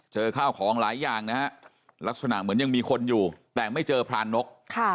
ข้าวของหลายอย่างนะฮะลักษณะเหมือนยังมีคนอยู่แต่ไม่เจอพรานนก